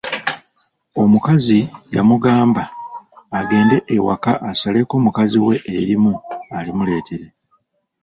Omukazi yamugamba agende ewaka asaleko mukazi we erimu alimuleetere.